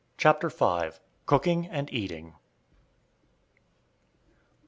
CHAPTER V. COOKING AND EATING.